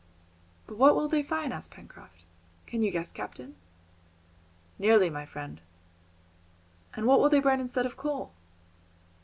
"But what will they find?" asked Pencroft. "Can you guess, captain?" "Nearly, my friend." "And what will they burn instead of coal?"